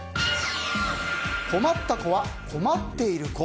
困った子は困っている子。